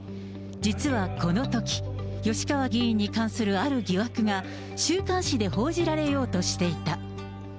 実はこのとき、吉川議員に関するある疑惑が、週刊誌で報じられようとしていた。